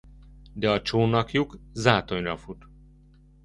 De a csónakjuk zátonyra fut.